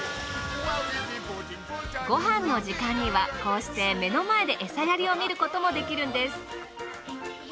ごはんの時間にはこうして目の前でエサやりを見ることもできるんです。